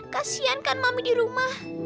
kasian kan mami di rumah